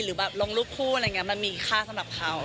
หรือแบบลงรูปคู่อะไรอย่างนี้มันมีค่าสำหรับเขา